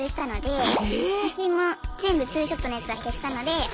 ええ⁉写真も全部ツーショットのやつは消したのであ